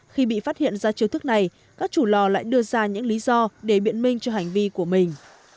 khi bị phát hiện ra chiêu thức này các chủ lò lại đưa ra những lý do để biện minh cho hành vi của mình